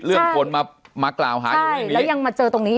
ใช่และยังเจอตรงนี้อีกว่าเป็นอยู่เกิดอะไรหรืออย่างนี้